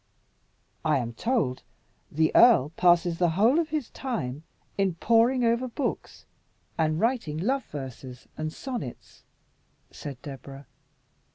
"I am told the earl passes the whole of his time in poring over books and writing love verses and sonnets," said Deborah.